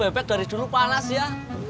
bebek dari dulu panas ya